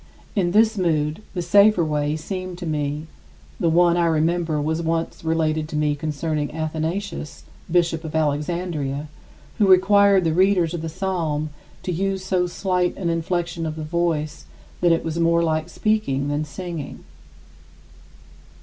In this mood, the safer way seemed to me the one I remember was once related to me concerning Athanasius, bishop of Alexandria, who required the readers of the psalm to use so slight an inflection of the voice that it was more like speaking than singing.